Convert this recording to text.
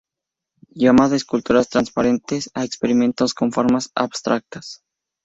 Llamaba "esculturas transparentes" a experimentos con formas abstractas.